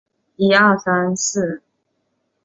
也可指为使用山羊等其他动物的乳汁生产的产品。